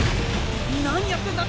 何やってんだ！？